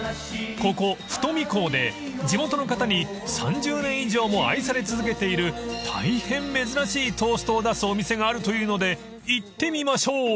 ［ここ太海港で地元の方に３０年以上も愛され続けている大変珍しいトーストを出すお店があるというので行ってみましょう］